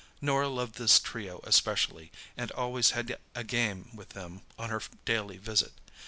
Norah loved this trio especially, and always had a game with them on her daily visit.